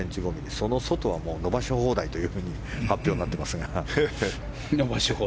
その外は伸ばし放題という発表になっていますが。